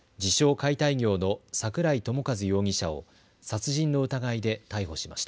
・解体業の櫻井朝和容疑者を殺人の疑いで逮捕しました。